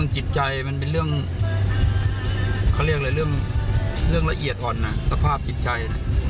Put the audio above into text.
จิตใจมันเป็นเรื่องเรื่องละเอียดอ่อนนะสภาพจิตใจ